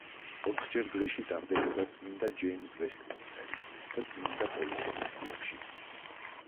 ოთხჯერ დღეში ტარდებოდა წმინდა ჯეიმზ ვესტმინსტერის, და წმინდა პოლის ეკლესიებში.